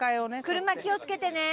車気をつけてね。